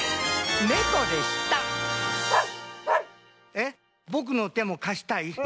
えっぼくのてもかしたい？